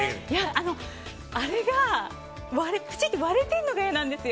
あれがプチって割れているのが嫌なんですよ。